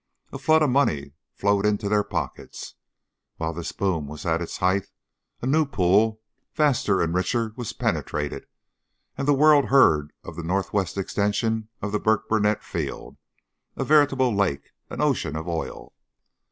A flood of money flowed into their pockets. While this boom was at its height a new pool, vaster and richer, was penetrated and the world heard of the Northwest Extension of the Burkburnett field, a veritable lake an ocean of oil.